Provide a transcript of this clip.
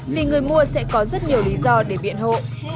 vì người mua sẽ có rất nhiều lý do để biện hộ